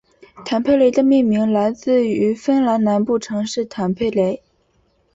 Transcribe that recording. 坦佩雷的命名来自于芬兰南部城市坦佩雷。